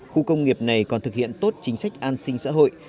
khu công nghiệp này còn thực hiện tốt chính sách an sinh xã hội